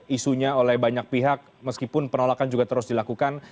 isunya oleh banyak pihak meskipun penolakan juga terus dilakukan